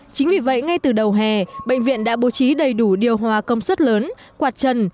chính vì vậy ngay từ đầu hè bệnh viện đã bố trí đầy đủ điều hòa công suất lớn quạt trần